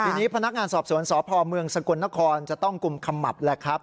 ทีนี้พนักงานสอบสวนสพเมืองสกลนครจะต้องกุมขมับแหละครับ